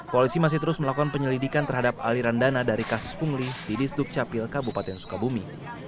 polisi masih terus melakukan penyelidikan terhadap aliran dana dari kasus pungli di disduk capil kabupaten sukabumi